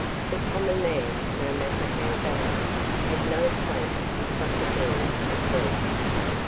The common man, no matter how valiant, had no place in such affairs as these.